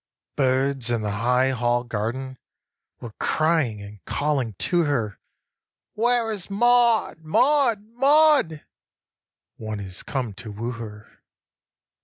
7. Birds in the high Hall garden Were crying and calling to her, Where is Maud, Maud, Maud, One is come to woo her.